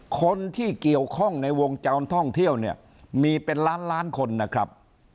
คนที่เกี่ยวข้องในวงจรท่องเที่ยวเนี่ยมีเป็นล้านล้านคนนะครับ